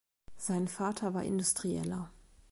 Sein Vater war Industrieller.